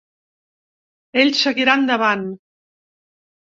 Ell seguirà endavant.